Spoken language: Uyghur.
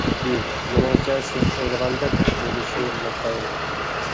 ب. مېنىڭچە، سىز ئويلىغاندەك بولۇشى ناتايىن.